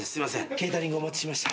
ケータリングお持ちしました。